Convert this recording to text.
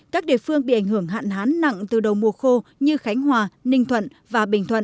các địa phương bị ảnh hưởng hạn hán nặng từ đầu mùa khô như khánh hòa ninh thuận và bình thuận